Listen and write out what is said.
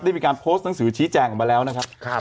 มีการโพสต์หนังสือชี้แจงออกมาแล้วนะครับ